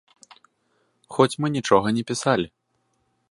Хоць мы нічога не пісалі.